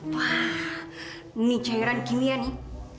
wah ini cairan kimia nih